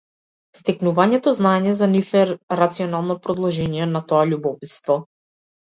Стекнувањето знаење за нив е рационално продолжение на тоа љубопитство.